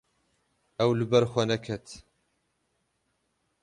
Ew li ber xwe neket.